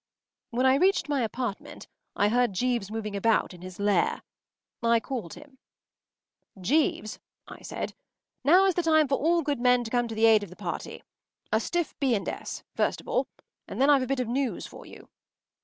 When I reached my apartment I heard Jeeves moving about in his lair. I called him. “Jeeves,” I said, “now is the time for all good men to come to the aid of the party. A stiff b. and s. first of all, and then I’ve a bit of news for you.